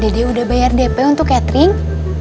dede udah bayar dp untuk catering